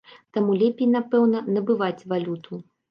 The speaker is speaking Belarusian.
Таму лепей, напэўна, набываць валюту.